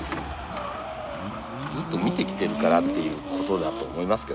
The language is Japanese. ずっと見てきてるからということだと思いますけどね。